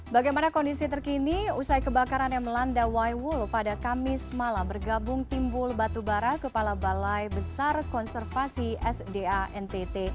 bagaimana kondisi terkini usai kebakaran yang melanda waiwul pada kamis malam bergabung timbul batubara kepala balai besar konservasi sda ntt